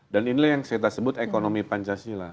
dan inilah yang kita sebut ekonomi pancasila